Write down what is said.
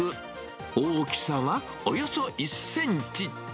大きさはおよそ１センチ。